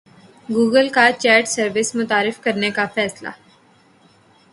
Google کا chat service متعارف کرانے کا فیصلہ